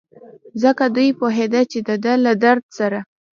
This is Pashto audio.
ځکه دی پوهېده چې دده له درد سره.